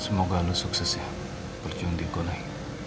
semoga lu sukses ya kerjaan di gunai